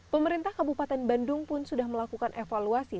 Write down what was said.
pemerintah kabupaten bandung pun sudah melakukan evaluasi